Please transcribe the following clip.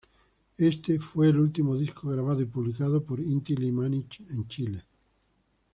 Este fue el último disco grabado y publicado por Inti-Illimani en Chile.